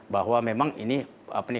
bahwa memang ini